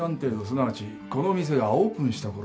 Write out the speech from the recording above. すなわちこの店がオープンしたころです。